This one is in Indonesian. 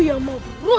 dan menangkap kake guru